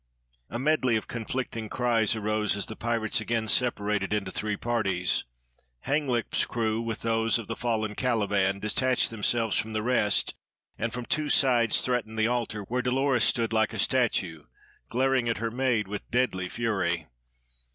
A medley of conflicting cries arose as the pirates again separated into three parties. Hanglip's crew, with those of the fallen Caliban, detached themselves from the rest and from two sides threatened the altar, where Dolores stood like a statue, glaring at her maid with deadly fury.